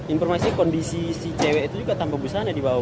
informasinya kondisi si cewek itu juga tanpa busanya dibawa